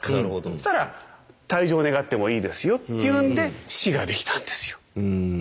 したら退場願ってもいいですよっていうんで死ができたんですよ。